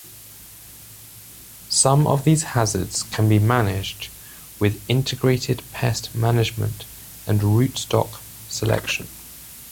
Some of these hazards can be managed with integrated pest management and rootstock selection.